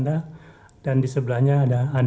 kemudian sebelah kiri saya ada esther yolanda